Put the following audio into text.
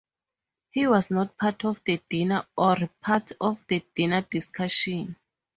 He was not part of the dinner or part of the dinner discussion.